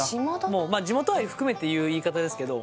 もう地元愛含めて言う言い方ですけど